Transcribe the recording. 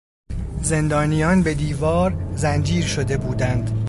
زندانیان به دیوار زنجیر شده بودند.